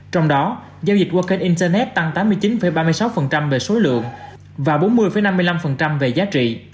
trong đó giao dịch qua kênh internet tăng tám mươi chín ba mươi sáu về số lượng và bốn mươi năm mươi năm về giá trị